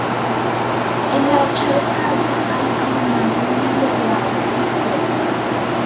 En la charca alta hay abundantes lirios de agua, y koi.